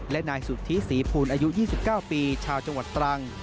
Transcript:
และนายสุธิศรีภูลอายุ๒๙ปีชาวจังหวัดตรัง